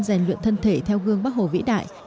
rèn luyện thân thể theo gương bắc hồ vĩ đại